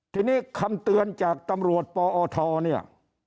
ทีนี้คำเตือนจากตำรวจปอทเนี่ย